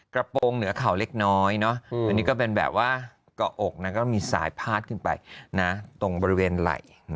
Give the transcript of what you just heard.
กระโปรงเหนือเข่าเล็กน้อยอันนี้ก็เป็นแบบว่าเกาะอกก็มีสายพาดขึ้นไปตรงบริเวณไหล่